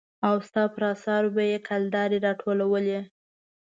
او ستا پر اثارو به يې کلدارې را ټولولې.